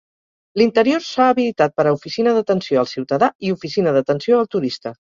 L'interior s'ha habilitat per a oficina d'atenció al ciutadà i oficina d'atenció al turista.